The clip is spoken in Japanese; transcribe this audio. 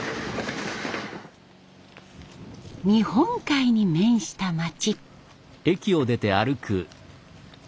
日本海に面した町。